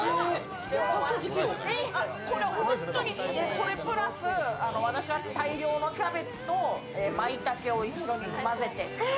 これプラス、私は大量のキャベツとまいたけを一緒に混ぜて。